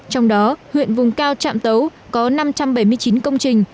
trong đó huyện vùng cao trạm tấu có năm trăm bảy mươi chín công trình